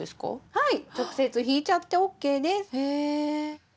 はい。